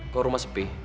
kok rumah sepi